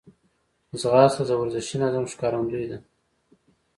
ځغاسته د ورزشي نظم ښکارندوی ده